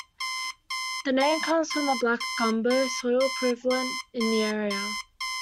The name comes from the "black gumbo" soil prevalent in the area.